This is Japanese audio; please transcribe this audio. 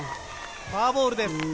フォアボールです。